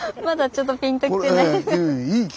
まだちょっとピンときてない。